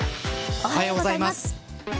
おはようございます。